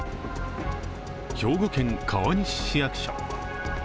兵庫県、川西市役所。